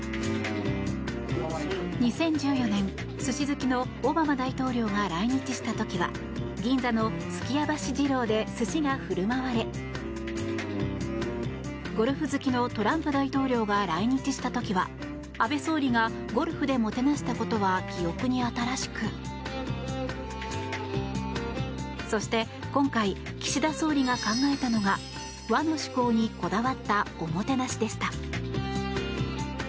２０１４年寿司好きのオバマ大統領が来日した時には銀座のすきやばし次郎で寿司が振る舞われゴルフ好きのトランプ大統領が来日した時は安倍総理が、ゴルフでもてなしたことは記憶に新しくそして今回岸田総理が考えたのが和の趣向にこだわったおもてなしでした。